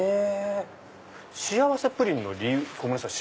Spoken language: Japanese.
幸せプリンの理由ごめんなさい